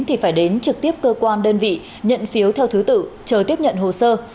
thì phải đến trực tiếp cơ quan đơn vị nhận phiếu theo thứ tự chờ tiếp nhận hồ sơ